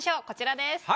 こちらです。